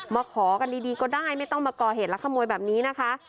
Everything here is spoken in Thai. ขอกันดีก็ได้ไม่ต้องมาก่อเหตุและขโมยแบบนี้นะคะ